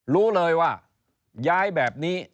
รู้เลยว่าย้ายแบบนี้